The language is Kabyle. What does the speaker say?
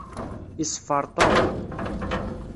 Iṣeffer Tom.